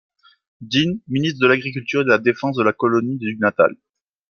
Deane, ministre de l'agriculture et de la défense de la colonie du Natal.